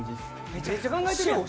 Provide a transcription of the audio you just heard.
めちゃくちゃ考えてるやん。